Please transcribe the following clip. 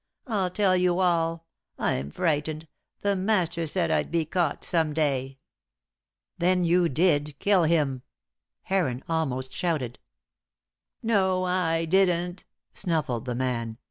I'll tell you all. I'm frightened the master said I'd be caught some day!" "Then you did kill him!" Heron almost shouted. "No, I didn't," snuffled the man.